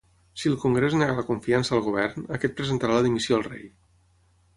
Si el Congrés nega la confiança al Govern, aquest presentarà la dimissió al rei.